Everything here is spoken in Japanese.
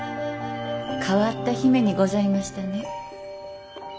変わった姫にございましたね。